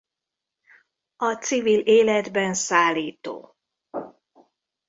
A civil életben szállító.